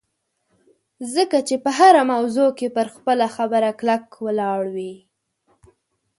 ځکه چې په هره موضوع کې پر خپله خبره کلک ولاړ وي